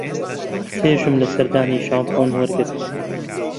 چێژم لە سەردانی ژاپۆن وەرگرت.